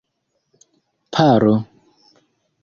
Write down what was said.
paro